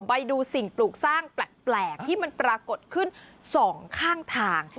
ไปดูสิ่งปลูกสร้างแปลกที่มันปรากฏขึ้นสองข้างทาง